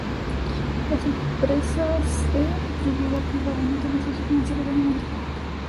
La empresa es de propiedad privada y no tiene socios financieros de ningún tipo.